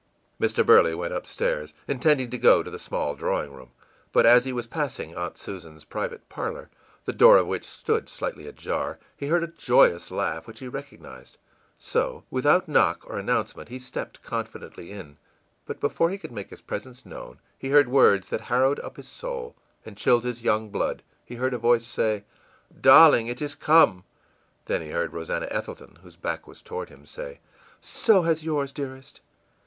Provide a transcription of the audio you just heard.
î Mr. Burley went up stairs, intending to go to the small drawing room, but as he was passing ìAunt Susan'sî private parlor, the door of which stood slightly ajar, he heard a joyous laugh which he recognized; so without knock or announcement he stepped confidently in. But before he could make his presence known he heard words that harrowed up his soul and chilled his young blood, he heard a voice say: ìDarling, it has come!î Then he heard Rosannah Ethelton, whose back was toward him, say: ìSo has yours, dearest!